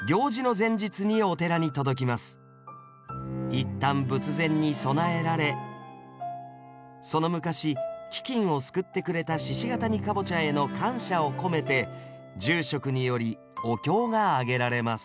一旦仏前に供えられその昔飢きんを救ってくれた鹿ケ谷かぼちゃへの感謝を込めて住職によりお経があげられます